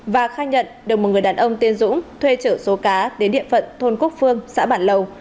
và khai nhận được một người đàn ông tiên dũng thuê chở số cá đến địa phận thôn quốc phương xã bản lầu